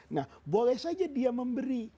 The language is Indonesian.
nah boleh saja dia memberi